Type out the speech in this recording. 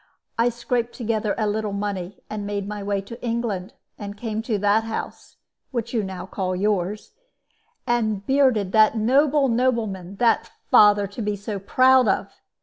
"I scraped together a little money, and made my way to England, and came to that house which you now call yours and bearded that noble nobleman that father to be so proud of!